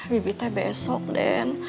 bibi teh besok den